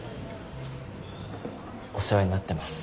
お世話になってます。